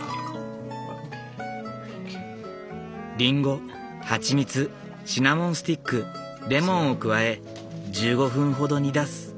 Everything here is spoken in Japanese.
リンゴ蜂蜜シナモンスティックレモンを加え１５分ほど煮出す。